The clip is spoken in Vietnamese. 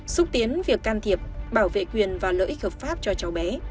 xúc tiến việc can thiệp bảo vệ quyền và lợi ích hợp pháp cho cháu bé